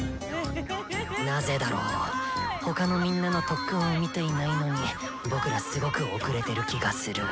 なぜだろう他のみんなの特訓を見ていないのに僕らすごく遅れてる気がする。